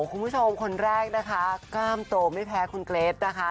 คุณผู้ชมคนแรกนะคะกล้ามโตไม่แพ้คุณเกรฟนะคะ